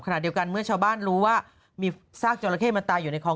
ขณะเดียวกันเมื่อชาวบ้านรู้ว่ามีซากจราเข้มันตายอยู่ในคลอง